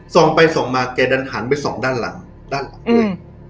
ส่องไปส่องมาแกดันหันไปส่องด้านหลังด้านหลังอืม